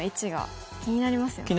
気になりますよね。